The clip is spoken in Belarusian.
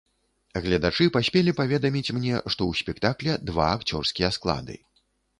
Гледачы паспелі паведаміць мне, што ў спектакля два акцёрскія склады.